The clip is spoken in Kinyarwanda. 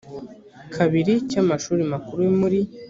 kabiri cy amashuri makuru muri